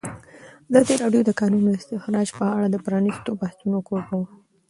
ازادي راډیو د د کانونو استخراج په اړه د پرانیستو بحثونو کوربه وه.